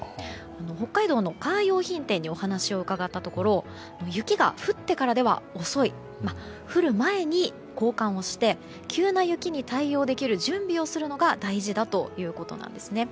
北海道のカー用品店にお話を伺ったところ雪が降ってからでは遅い降る前に交換をして急な雪に対応できる準備をするのが大事だということです。